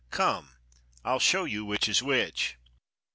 "Come! I'll show you which is which."